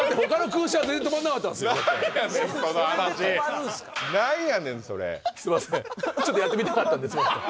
すいませんちょっとやってみたかったんで。